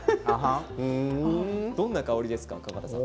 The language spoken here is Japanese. どんな香りですか？